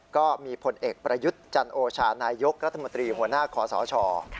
ก็มีผลเอกประยุทธ์จันโอชานายกรัฐมนตรีหัวหน้าขอสช